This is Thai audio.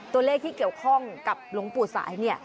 ตัวเลขที่เกี่ยวข้องกับหลวงปู่สาย